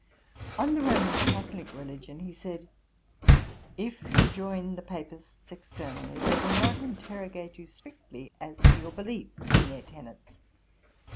On the Roman Catholick religion he said, 'If you join the Papists externally, they will not interrogate you strictly as to your belief in their tenets.